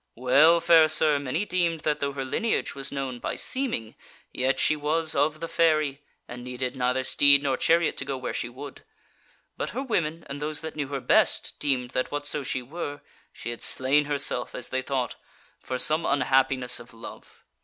Well, fair sir, many deemed that though her lineage was known by seeming, yet she was of the fairy, and needed neither steed nor chariot to go where she would. But her women and those that knew her best, deemed that whatso she were, she had slain herself, as they thought, for some unhappiness of love.